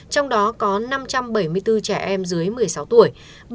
trong đó có năm trăm bảy mươi bốn trẻ em dưới một mươi sáu tuổi